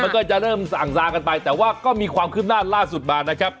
ก็จะเริ่มสะอังซากันไปแต่ก็มีความคึมหน้าสุดมานะครับ